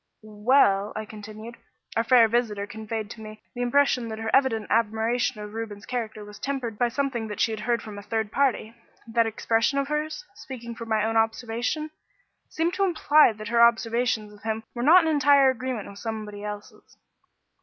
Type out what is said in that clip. "Well," I continued, "our fair visitor conveyed to me the impression that her evident admiration of Reuben's character was tempered by something that she had heard from a third party. That expression of hers, 'speaking from my own observation,' seemed to imply that her observations of him were not in entire agreement with somebody else's."